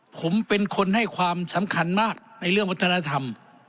ผมเป็นคนให้ความสำคัญมากในเรื่องวัฒนธรรม